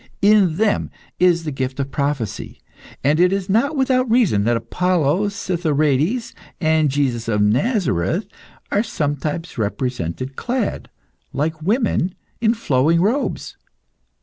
In them is the gift of prophecy, and it is not without reason that Apollo Citharedes, and Jesus of Nazareth, are sometimes represented clad, like women, in flowing robes.